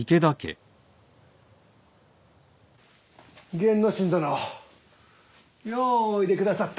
源之進殿ようおいでくださった。